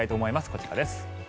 こちらです。